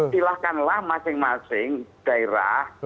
silahkanlah masing masing daerah